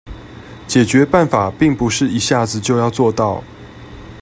解決辦法並不是一下子就要做到